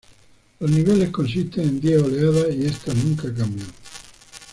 Los niveles consisten en diez oleadas y estas nunca cambian.